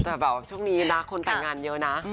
แต่แบบว่าช่วงนี้นะคนแต่งงานเยอะนะ